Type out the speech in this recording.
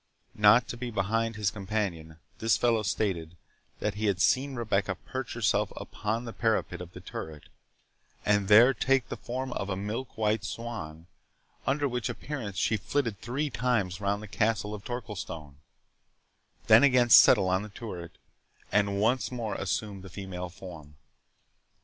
Not to be behind his companion, this fellow stated, that he had seen Rebecca perch herself upon the parapet of the turret, and there take the form of a milk white swan, under which appearance she flitted three times round the castle of Torquilstone; then again settle on the turret, and once more assume the female form.